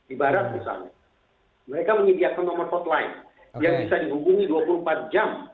ibarat misalnya mereka menyediakan nomor hotline yang bisa dihubungi dua puluh empat jam